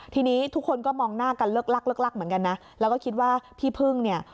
ทีนี้ทุกคนก็มองหน้ากันเลิกลักเลิกลักเหมือนกันนะแล้วก็คิดว่าพี่พึ่งเนี่ย